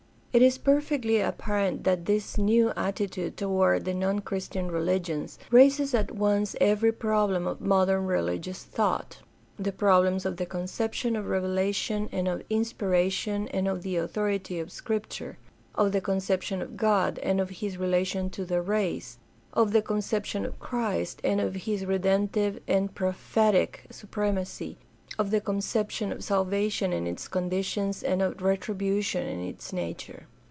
— ^It is perfectly apparent that this new attitude toward the non Christian religions raises at once every problem of modern religious thought: the problems of the conception of revela tion and of inspiration and of the authority of Scripture; of the conception of God and of his relation to the race; of the conception of Christ and of his redemptive and prophetic supremacy; of the conception of salvation and its conditions and of retribution and its nature.